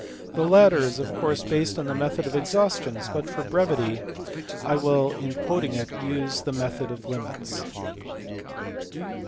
The latter is of course based on the method of exhaustions, but for brevity I will, in quoting it, use the method of limits.